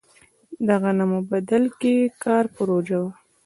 د غنمو بدل کې کار پروژه وه.